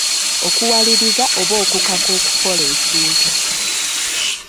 Okuwaliriza oba okukaka okukola ekintu.